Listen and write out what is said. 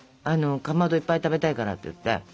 かまどいっぱい食べたいからって言って。